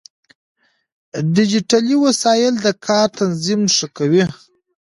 ډيجيټلي وسايل د کار تنظيم ښه کوي.